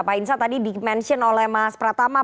pak hinsa tadi di mention oleh mas prata mas